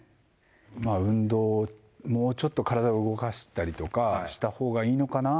まあ運動、もうちょっと体を動かしたりとかしたほうがいいのかなぁ？